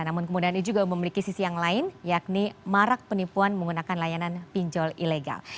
namun kemudian ini juga memiliki sisi yang lain yakni marak penipuan menggunakan layanan pinjol ilegal